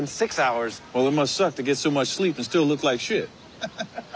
ハハハハッ。